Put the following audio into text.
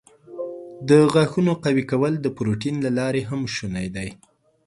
د غاښونو قوي کول د پروټین له لارې هم شونی دی.